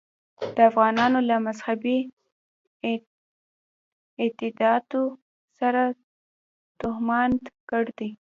د افغانانو له مذهبي اعتقاداتو سره توهمات ګډ دي.